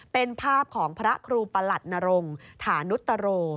เป็นภาพของพระครูประหลัดนรงฐานุตโร